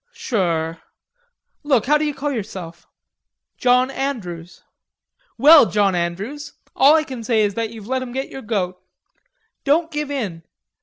"Sure.... Look, how do you call yourself?" "John Andrews." "Well, John Andrews, all I can say is that you've let 'em get your goat. Don't give in.